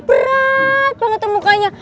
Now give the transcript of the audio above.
berat banget tuh mukanya